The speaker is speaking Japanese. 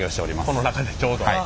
この中でちょうど。